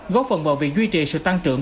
góp phần vào việc duy trì sự tăng trưởng